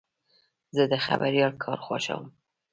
زه د خبریال کار خوښوم.